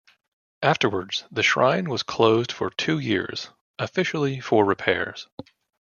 Afterwards the shrine was closed for two years, officially for repairs.